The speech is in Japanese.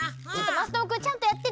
まさともくんちゃんとやってね。